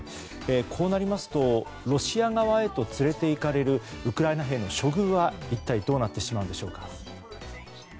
こうなりますとロシア側へと連れていかれるウクライナ兵の処遇は一体どうなってしまうんでしょうか。